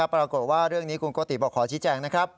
ปรากฏว่าเรื่องนี้คุณโกติบอกขอชี้แจงนะครับ